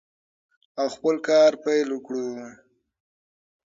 او خپل کار پیل کړو.